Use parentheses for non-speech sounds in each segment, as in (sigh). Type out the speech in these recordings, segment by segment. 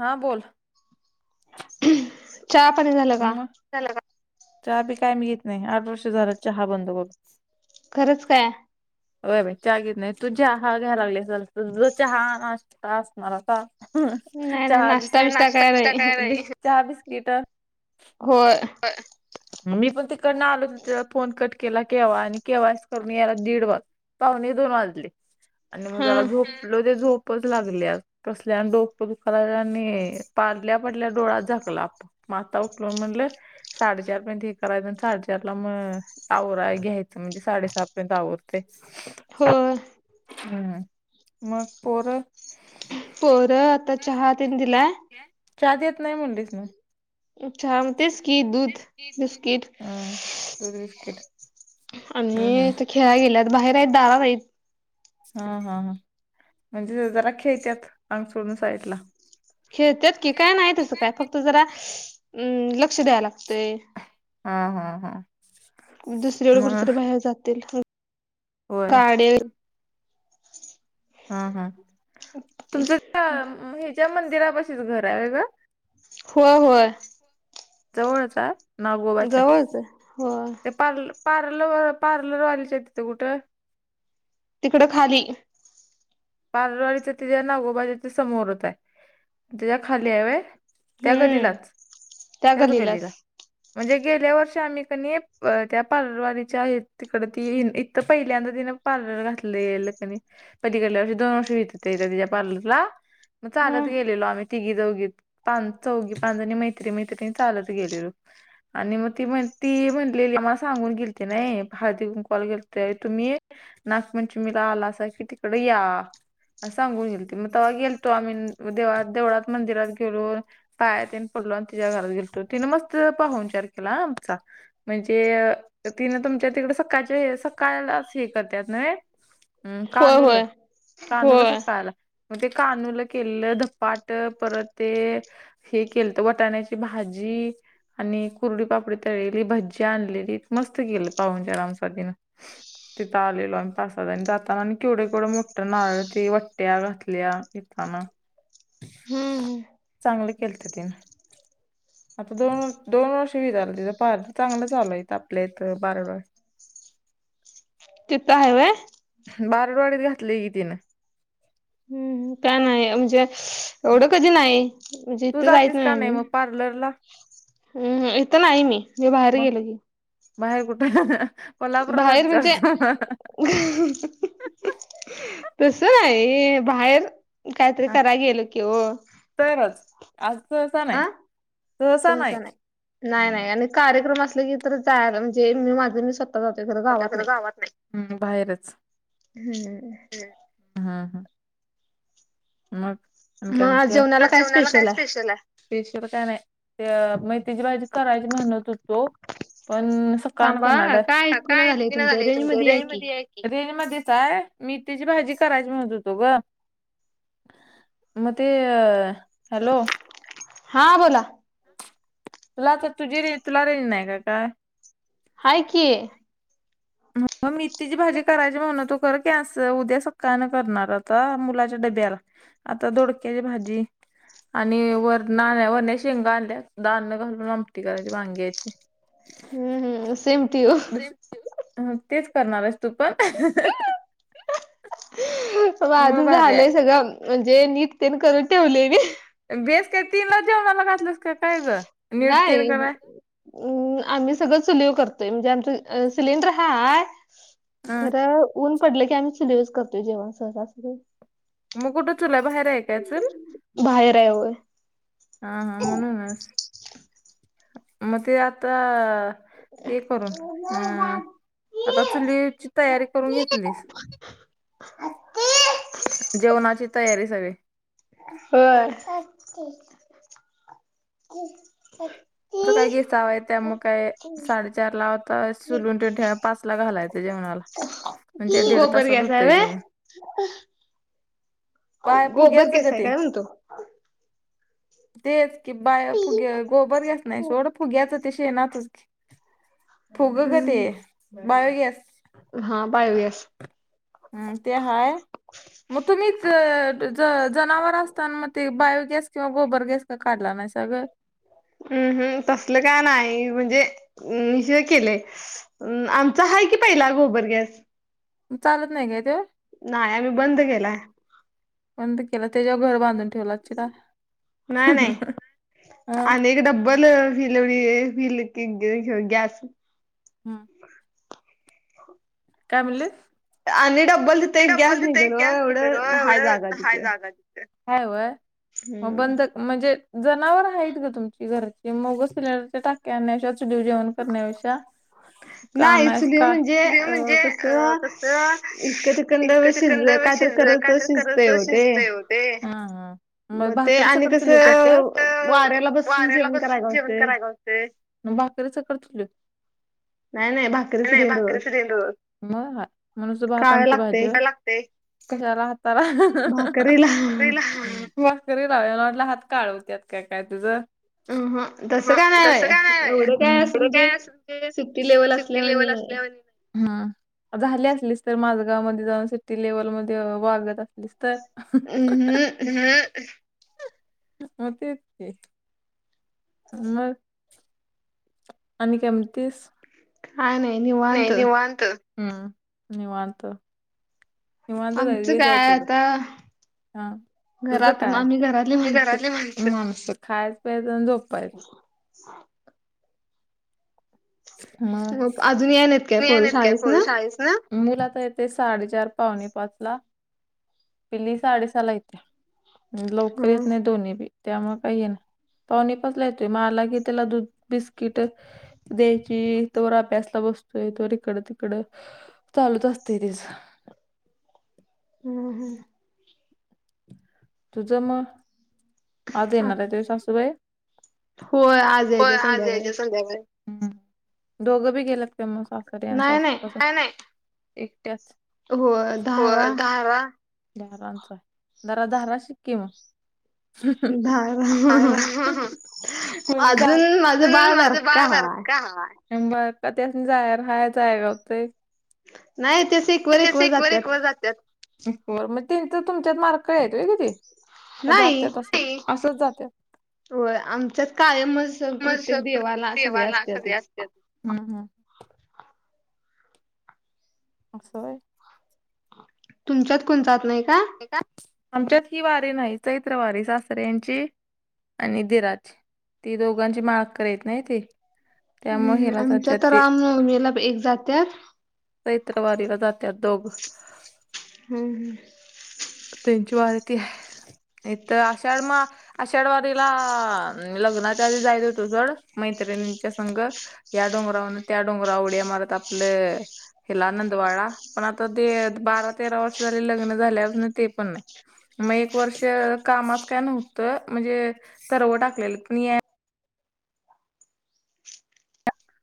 हा बोल चहा पाणी झालं का? मग चहा बी काय मी घित नाही आठ वर्ष झालं चहा बंद बघ. खरंच काय? होय बाई चागीत नाही तू चहा घ्याय लागलील तुझा चहा नाश्ता असणार का? नाही नाही चहा नाश्ता बिष्टा काय बिस् नाही. चहा बिस्किट होय. मग मी पण तिकडन आलो फोन कट केला केवा्हा आणि केव्हासी करून यायला दीड वाज पाहुणे दोन वाजले आणि मग हा त्याला झोपलो ते झोप आपपच लागले कसल्या आणि डोकं दुखाला आणि पारल्या पडल्या डोळ्यात झाकला आप म आता उठलून म्हणलं साडेचार पर्यंत हे करायच् आणि साडेचार ला मग आवराय घ्यायचं म्हणजे साडेसहा पर्यंत आवरतय. होय. हम् मग पोर पोरं आता चहा तनी दिलाय चा देत नाही म्हणलीस ना अच्छा म तेस क दूध बिस्किट हा दूध बिस्किट आणि हम्म हम्म आता खेळा गेल्यात बाहेर आहेत दारात आहित. हा हा ह म्हणजे जराा खेळत्यात अग सोडून साइडला. खेळत्यात की काय नाही तसं काय फक्त जरा अ लक्ष द्याय लाग हा हा हा. दुसरीकडे मग कुठतरी बाहेर जातील होय गाडे हा हा तुमचं त्या हच्या मंदिरापशीच घर आहे वय ग? होय होय. जवळचय नागगोबाच्या जवळच आहे. होय ते पार पार्लरवर पार्लरवाल्याच तिेतं कुठं? तिकडं खाली पार्लरवाली तिज्या नागोबा तिथं समोरच् आहे त्याच्या खाली या वय. त्या हम्म गलीलाच त्या त्याच गल्लीलाच गलीला म्हणजे गेल्या वर्षी आम्ही क नई त्या पलवारीच्या तिकड ती तर पहिल्यांदा तिन पार्लर घातलल कनी पलीकडल्या दोन वर्ष होत होते तिचा पार्लरला मग चालत हम्म गेलेलो आम्ही तिघी चौघी चौघी पाणी मैत्री मैत्रीणी चालत गेलेलो. आणि मग ती म्हण ती म्हणलेली मला सांगून गेलते नाही हळदी कुंकवाला गेलतो त्या वेळी तुम्ही? नागपंचमीला आलासा की तिकड या सांगून गेल ते मग तेव्हा गेल तो आम्ही देवळात मंदिरात गेलो. पाया तेन पडलो आणि तिच्या घरात गेलतो तिने मस्त पाहून विचार केला आमचा. म्हणजे ति ना तुमच्या तिकडे सकाळच्या सकाळ हे करतात न्हवे? हम्म होय कानूल होय कानूला होय सकाळला मग ते कानूला केलं धपाट परत ते. हे केलं तर वटाण्याची भाजी. आणि कुरडी पापडी तळलेली भज्जी आणलेली मस्त केलं पाहूनच्या आमसाठीन. तिथं आलेलो आम्ही पाच हजार आणि जाताना आणि केवढे केवढं मग. नारळ त वट्ट्या घातल्या येताना. हम्म चांगलं केल ते तिन. आता दोन दोन वर्ष विी झालं तिथं पार तर चांगलं चालय आपल्या इथ बारड. (inaudible) तिथ आहे व. बारडवाडीत घातली की तिनं. हम् का नाही म्हणजे एवढं कधी नाही म्हणजे इथं जायच नाही आम्ही. बलरला. हम इथं नाही मी ज बाहेर गेल की. बाहे कुठे पल्हापुरातात बाहेर म्हणजे चढतो. तस नाही बाहेर. कायतरी का राग येल किव. तरच आज तसा नाही तहसा नाही. नाही नाही आणि कार्यक्रम असलं की तर जायला म्हणजे मी माझं मी स्वतः. आ जो ख ते गावात खरं नाही हम्म हम्म. हा हा. मग आणि काय म्हणते जेवणाला काय स्पेशल आहे. स्पेश काय नाही मग तची बाजी करायची म्हेणत होतो. पण अस कान थांबा करणारड ऐकू येईना काय झालंय कि नाही तुमचं झाले रेंज तुम मध्ये या रे म. की. रेंज मध्येचय मीठची भाजी करायची म्हणत होतो ग. मत अ हॅलो. हां बोला. तुला तर तुझी रे तुला रे नाही काय. हाय क. मी तिची भाजी करायची म्हण तो खर कीस उद्या सक्कान करणार आता मुलाच्या डब्याला. आता (inaudible) ोडक्याची भाजी. आणि वरण आण वरण्या शेंगा आणल्या दानण घालून आमटी करायची वांग्याची. हम्म हम समती हो. ह तेच करणारस तू पण. मग ज भारी आहे. झालंय सगळं म्हणजे नीटतेन करून ठेवले म. बेस काय तीनला जेवणाला घातलंस काय ग. नीट तीन नाही. कराय अम् आम्ही सगळं चली करतोय म्हणजे आमच सिलेंडर हाय. ह खरं ऊन पडलं की आम्ही चिलेवूस करतोय जेवण सहज. मग कुठं चुलाय बाहेर ऐकायचंल. बाहेर आहेोय. हा हा म्हणूनस. मग ते आता. हे करून अं आता चुलीची तयारी करून घेतलीस. जेवणाची तयारी सगळी. हो. ं काही घसाव आहे त्या मग काय. साडेचार ला आता सुलून ते ठेवा पाच ला घालायचं जेवणाला. म्हणजे दीड गोबर तासात गॅस आहे होतंय व्हय? जेव्हा. बाय गोबर फुग्याच गॅस ग आहे ते. काय म्हणतो? तेच की बा फुगे गोबर घ. नाही सोडं फुग्याचं ते शेणाचच फुग ग हम्म. ते बायोगॅस हा बायोगॅस. हम्म ते हाय. मग तुम्हीच जनावर असता मग ते बायोगॅस किंवा गोबर गॅस काडला नाही साग. हम्म हम् तसल का नाही म्हणजे निषय केलंय. आमचा आहे की पहिला गोबर गॅस चालत नाही काय ते. नाही आम्ही बंद नाही केलाय. बंद केला तेच्यावर घर बांधून ठेवलं असंचीला. नाही नाही हा अनेक डब्बल ब उडी ब क ग्यास (unintelligible) हम्. काय म्हणलेस. आणि डबल ते डब्बल तिथं एक गॅस निघल जागा एवढं हाय तिथे जागा तिथं हाय व्हय म हम्म. बंद. म्हणजे जनावर आहेत ग तुमची घरची मग सिलेंडरच्या टाक्या आणायच्या देव जेवण करण्या पेक्षा नाही कामस चुली का म्हणजे चुलीवर अ म्हणजे अ कसं कस. इकड तिकंड शिज इकंतिकंद काय तर शिजल करत काय तर करत शिजतय ओ ते. शिजत हो ते मग मग ते भाकरी आणि सकट चुली वर कसं करत्यास वाऱ्याला बसून वाऱ्याला जेवण बसून करायला जेवण होतंय. करायला घावतय. मग भाकरी सकट चुलीवर नाही नाही भाकरीच नाही देईन भाकरी रोज मग चुलीवर म्ह नुसती भात काय आमटी लागते भाजी होय? लागतंय कशाला हाताला भाकरीला चुलीला. री ला म्हटला हात काळ होत्यात काय काय तुझं. अहं, तसं हा नाही तस बाया. काय एवढं नाही काय असं पुढे म्हणजे काय अस सिटी लेवल सुट्टी असल्यावानी लेवल नाही असल्या वाणी हम झाली असलीच तर माझ गाव मध्ये जाऊन सिटी लेवलमध्ये वागत तर अहं, हो तेचकी. मग. आणि काय म्हनतीस काय नाही निवांत नाही निवांत हम् निवांत निवांत आहे आमचं बेज हाय काय तुज. आता हा तुझं घरात काय आम्ही घरातली मी माणसं घरात माऊसत खायच प्यायच झोपायचं. (inaudible) म अजून या नाहीत काय नाही पोरी आल्यात का शाळेस ना पोरी शाळेसन मुला तर येते साडेचार पावणे पाच ला पिली साडेसहा ला येत्या लवकर येत नाही दोन्ही बी त्यामुळे काही ये ना पावने पाचला येतोय म आला की त्याला दूध बिस्किट द्यायची तवर अभ्यासला बसतोय तवर इकड तिकड चालूत असते त्याच हम् हम्म. तुझं म आज येणार आहे तुज्या सासूबाई होय आज होय यायच्या आज संध्याकाळी यायच्या संध्याकाळी हम् दोघं बी गेल्यात का मग सासरे आणी नाही नाही सासूबाई एकट्याच हो धारा होय धारा धारांच जरा धारा शिककी मग धारा ह. माझे दात अजून माझं न बाळ माझं बारका बाळ हाय बारक हा बर कधी अस जायर हायचय का ते (unintelligible) नाही ते शिक मग तर तुमच्यात मार्क येत क (unintelligible) जाते असं असंच जाते (unintelligible) हो आमच्यात कायमच मग प्रत्येक देवाला सगळे असते. ह, हा, अस व्हय. तुमच्यात कोण जात नाही का? आमच्यात ही वारी नाही चैत्र वारी सासरे यांची आणि दिराची ती दोघांची माळ कर येत नाही ते. त्यामुळे. हिला आमच्या जात्यात तर राम नवमीला एक जात्यात चैत्र वारीला जात्यात दोघ. हम, ह, त्यांची वारती आहे तर अशाड म (unintelligible) आषाढ वारीला, लग्नाच्या आधी जायच होेतो जड मैत्रिणींच्या संघ या डोंगरावरून त्या डोंगरावर उड्या मारत आपलं हिला आनंदवाड पण आता ते बारा तेरा वर्ष झाली लग्न झाले ना ते पण नाही. मग एक वर्ष कामात काय नव्हतं म्हणजे तरव टाकलेली पण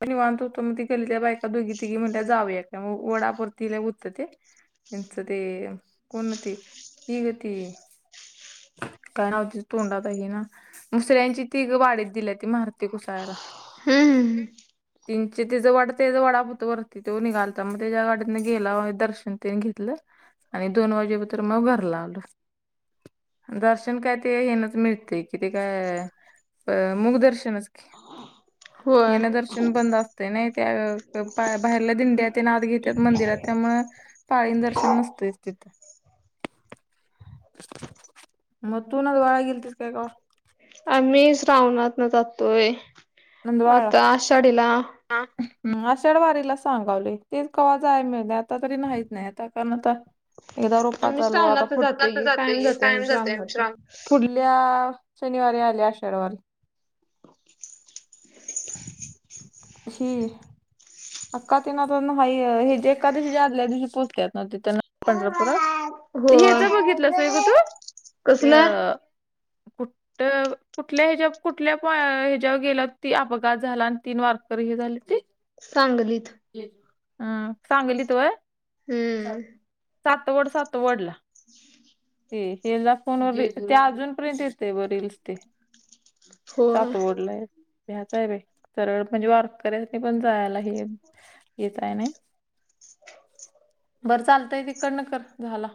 पण निवांत होतो मग ती गलीतल्या बायका दोघी तिघी म्हटल्या जाऊया का वडापरती होतं ते. त्यांचं ते कोण होती ही गती काय दच ोंडा तरही ना (unintelligible) मुसऱ्यांची ति वारीत गेल्याती ती मारती कुसाळ्याला हम्, हम, तिची तिच वाडा तेच वाडापत वरती तो निघालता मग त्याच्या गडडीतने गेला दर्शन तने घेतलं (unintelligible) आणि दोन वाजे पर्यंत मग घरला आल. दर्शन काय ते येनच मिळते कि ते काय अ मुग दर्शन होय. मना दर्शन (unintelligible) बंद असते नाही त्या बाहेरल्या दिंड्या त्याने आत घेतात मंदिरात त्यामुळे पाळीन दर्शन नसत तिथं. मग तू न वाळ गलतीर काय का (unintelligible) आम्ही श्रावणात जातोय, नंदवाळला आता आषाढीला आषाढ वारीला सांगावले तेच कवा्हा जाय मिळ आता तरी नाहीत नाही आता कारण आता एकदा रोपपा आम्ही चालू आता श्रावणात जातोय फुटतच की जातेय जातोय कायम आम्ही जाते श्रावणात. श्रम (unintelligible) पुढल्या शनिवारी आल्या आषाढवारी. ही अका ते ना तर हा हे जे एका दिवशी आदल्या दिवशी पोचत्यात. नदी (unintelligible) पंढरपुरात, हेच बघितलंस होय ग तू. कसलं? कुठ कुठल्या हच्यावर कुठल्या ह्याच्यावर गेल ती अपघात झाला आणि तीन वार हे झाले ते- सांगलीत. हम्, सांगलीत व्हय हम्म सातवड सातवडला. हे ज फोनवर ते अजूनपर्यंत येत आहे ब रीलस ते. होय. सातवड ला आहे. ह्याच आहे बा सरळ म्हणजे वारक कऱ्या नाही पण जायला हे येतय नाही. बरं चालतंय तिकड न कर, झाला.